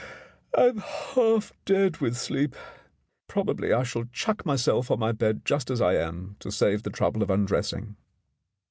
"I'm half dead with sleep. Probably I shall chuck myself on my bed just as I am, to save the trouble of undressing."